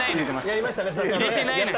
やりましたね？